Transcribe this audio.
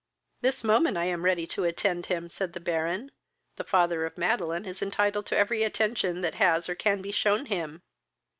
"This moment I am ready to attend him, (said the Baron:) the father of Madeline is entitled to every attention that has, or can be shewn him."